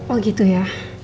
oh gitu ya